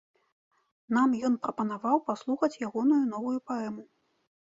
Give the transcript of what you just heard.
Нам ён прапанаваў паслухаць ягоную новую паэму.